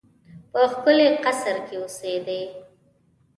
په ښکلي قصر کې اوسېدی.